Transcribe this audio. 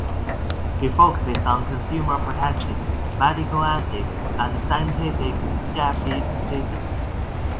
He focuses on consumer protection, medical ethics, and scientific skepticism.